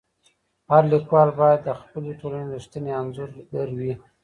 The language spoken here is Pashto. هر ليکوال بايد د خپلي ټولني رښتينی انځورګر وي.